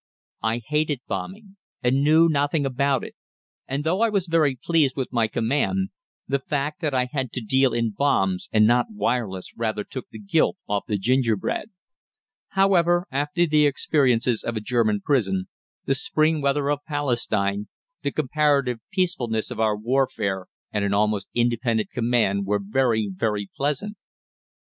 I hated bombing, and knew nothing about it; and, though I was very pleased with my command, the fact that I had to deal in bombs and not wireless rather took the gilt off the gingerbread. However, after the experiences of a German prison, the spring weather of Palestine, the comparative peacefulness of our warfare, and an almost independent command were very, very pleasant.